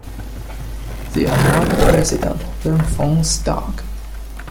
The annoyed President then phones Doug.